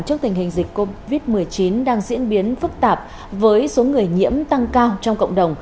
trước tình hình dịch covid một mươi chín đang diễn biến phức tạp với số người nhiễm tăng cao trong cộng đồng